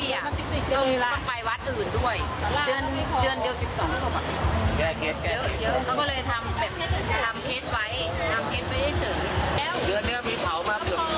สามที่อะต้องไปวัดอื่นด้วยเดือนเดือนเดือดสิบสองสัปดาห์